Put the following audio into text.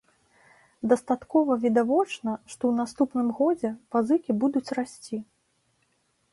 Дастаткова відавочна, што ў наступным годзе пазыкі будуць расці.